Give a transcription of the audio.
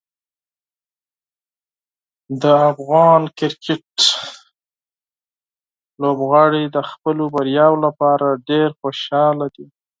د افغان کرکټ لوبغاړي د خپلو بریاوو لپاره ډېر خوشحاله دي.